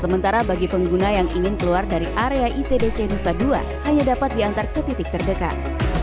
sementara bagi pengguna yang ingin keluar dari area itdc nusa dua hanya dapat diantar ke titik terdekat